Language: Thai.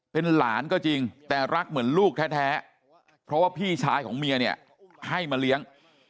เป็นหลานก็จริงแต่รักเหมือนลูกแท้เพราะว่าพี่ชายของเมียเนี่ยให้มาเลี้ยง